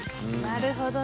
なるほどね。